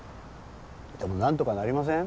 でも何とかなりません？